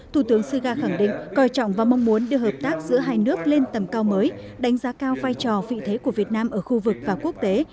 thủ tướng suga khẳng định coi trọng và mong muốn đưa hợp tác giữa hai nước lên tầm cao mới đánh giá cao vai trò vị thế của việt nam ở khu vực và quốc tế